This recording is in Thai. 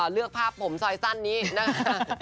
เลือกภาพผมซอยสั้นนี้นะคะ